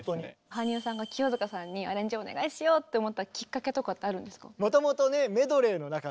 羽生さんが清塚さんにアレンジお願いしようと思ったきっかけとかってあるんですか？